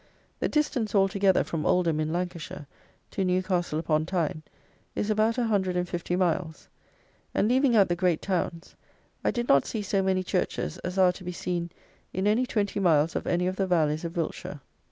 The distance, altogether, from Oldham in Lancashire, to Newcastle upon Tyne, is about a hundred and fifty miles; and, leaving out the great towns, I did not see so many churches as are to be seen in any twenty miles of any of the valleys of Wiltshire.